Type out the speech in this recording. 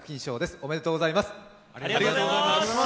おめでとうございます。